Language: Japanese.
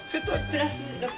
プラス。